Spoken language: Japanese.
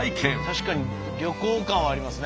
確かに旅行感はありますね。